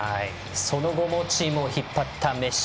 その後もチームを引っ張ったメッシ。